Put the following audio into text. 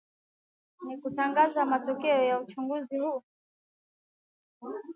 ni kutangaza matokeo ya uchaguzi huu